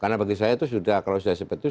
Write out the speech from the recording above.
karena bagi saya itu sudah kalau saya sempat itu